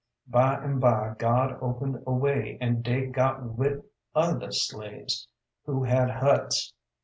By an' by God opened a way an' dey got wid other slaves who had huts.